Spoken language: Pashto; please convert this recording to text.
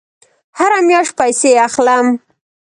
هره میاشت پیسې اخلم